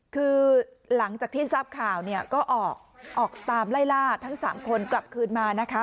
คือหลังจากที่ทราบข่าวเนี่ยก็ออกตามไล่ล่าทั้ง๓คนกลับคืนมานะคะ